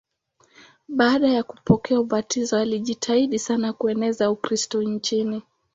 Baada ya kupokea ubatizo alijitahidi sana kueneza Ukristo nchini.